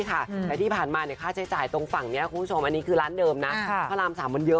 คุณผู้ชมอันนี้คือร้านเดิม